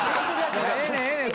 ええねんええねん